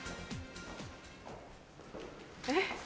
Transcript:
えっ。